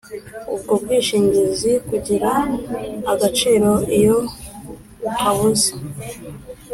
Ubwo bwishingizi bugira agaciro iyo ukabuze